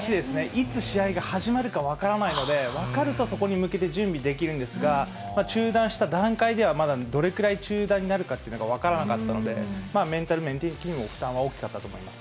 いつ試合が始まるか分からないので、分かるとそこに向けて準備できるんですが、中断した段階ではまだどれくらい中断になるかというのが分からなかったので、メンタル面的にも負担は大きかったと思います。